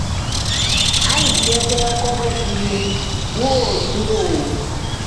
Aziya-dee koba diiwu woodoo.